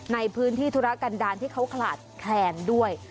ในพื้นที่ธุรกันดาลที่เขาขลาดแคลนด้วย